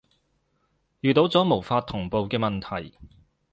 遇到咗無法同步嘅問題